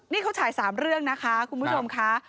นี่เขาฉาย๓เรื่องนะคะคุณผู้ชมค่ะ